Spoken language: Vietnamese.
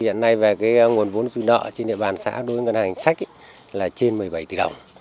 hiện nay về cái nguồn vốn dù nợ trên địa bàn xã đối với ngân hàng chính sách là trên một mươi bảy tỷ đồng